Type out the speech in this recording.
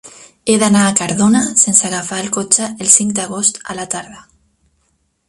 He d'anar a Cardona sense agafar el cotxe el cinc d'agost a la tarda.